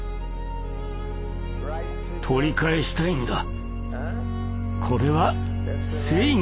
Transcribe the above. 取り返したいんだ。